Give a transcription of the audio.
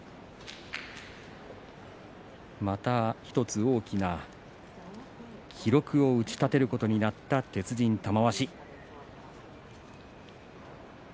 また１つ大きな記録を打ち立てることになった鉄人玉鷲。